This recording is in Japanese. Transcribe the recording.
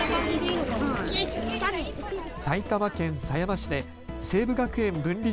埼玉県狭山市で西武学園文理